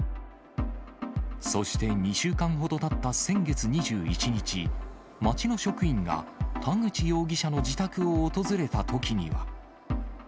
そして２週間ほどたった先月２１日、町の職員が田口容疑者の自宅を訪れたときには。